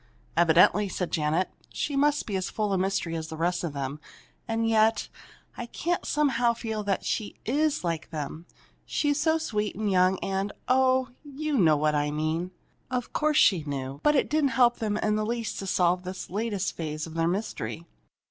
"Evidently," said Janet. "She must be as full of mystery as the rest of them. And yet I can't, somehow, feel that she is like them; she's so sweet and young and oh, you know what I mean!" Of course she knew, but it didn't help them in the least to solve this latest phase of their mystery.